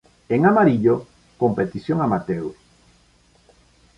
En amarillo, competición amateur.